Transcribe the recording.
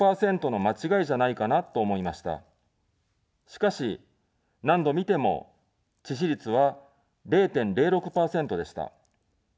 しかし、何度見ても、致死率は０．０６％でした。